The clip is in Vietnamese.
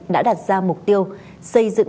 đã đặt ra mục tiêu xây dựng